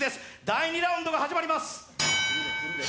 第２ラウンドが始まります。